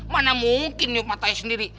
mana mungkin nyup matanya sendiri